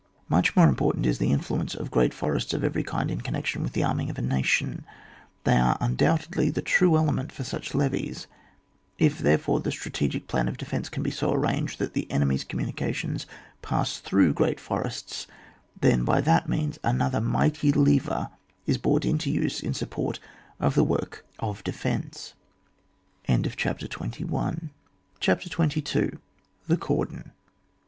Much more important is the influence of great forests of every kind in connec tion with the arming of a nation ; they are undoubtedly the true element for such levies ; if, therefore, the strategic plan of defence can be so arranged that the enemy's communications pass through great forests, then, by that means, another mighty lever is brought into use in sup port of the work of defence. CHAPTER XXII. THE CORDON.